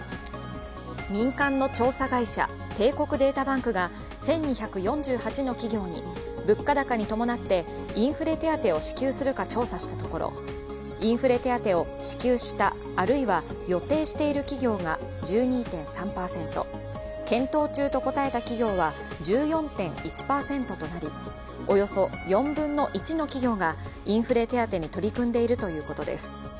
民間の調査会社帝国データバンクが１２４８の企業に物価高に伴ってインフレ手当を支給するか調査したところインフレ手当を支給した、あるいは予定していると企業が１２．３％、検討中と答えた企業は１４．１％となり、およそ４分の１の企業がインフレ手当に取り組んでいるということです。